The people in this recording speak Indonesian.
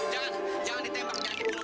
jangan jangan ditembak jangan dipeluk